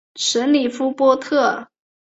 什里夫波特。